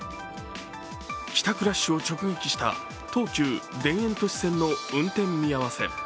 帰宅ラッシュを直撃した東急・田園都市線の運転見合わせ。